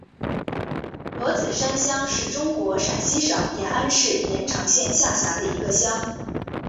罗子山乡是中国陕西省延安市延长县下辖的一个乡。